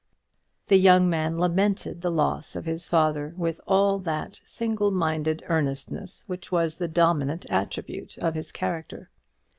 The young man lamented the loss of his father with all that single minded earnestness which was the dominant attribute of his character.